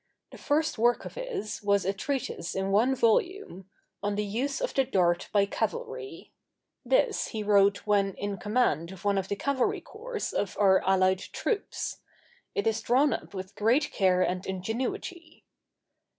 The first work of his was a treatise in one volume, 'On the Use of the Dart by Cavalry;' this he wrote when in command of one of the cavalry corps of our allied troops. It is drawn up with great care and ingenuity.